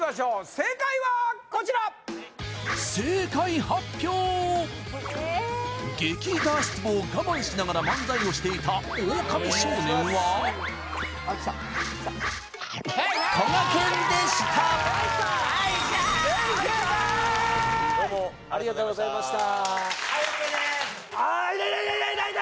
正解はこちら激イタ足ツボを我慢しながら漫才をしていたオオカミ少年はどうもありがとうございました